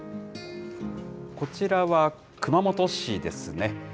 こちらは、熊本市ですね。